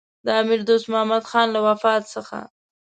د امیر دوست محمدخان له وفات څخه.